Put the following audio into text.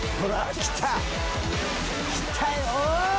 きたよ！